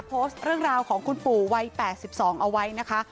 โพสต์เรื่องราวของคุณปู่วัย๘๒เอาไว้นะคะ